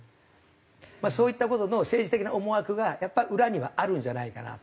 そういった事の政治的な思惑がやっぱ裏にはあるんじゃないかなと。